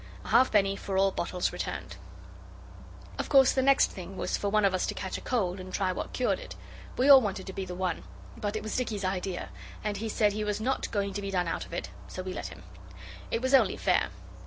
(A halfpenny for all bottles returned) Of course the next thing was for one of us to catch a cold and try what cured it; we all wanted to be the one, but it was Dicky's idea, and he said he was not going to be done out of it, so we let him. It was only fair.